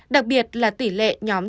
đặc biệt là tỷ lệ nhóm